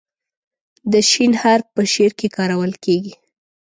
د "ش" حرف په شعر کې کارول کیږي.